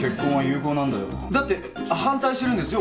だって反対してるんですよ